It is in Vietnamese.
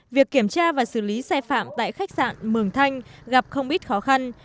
việc kiểm tra và xử lý sai phạm tại khách sạn mường thanh gặp không ít khó khăn